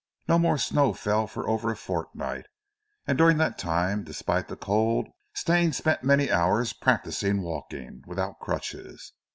No more snow fell for over a fortnight, and during that time, despite the cold, Stane spent many hours practising walking without crutches.